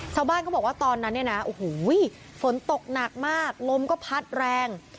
ชาวบ้านเขาบอกว่าตอนนั้นเนี่ยนะโอ้โหฝนตกหนักมากลมก็พัดแรง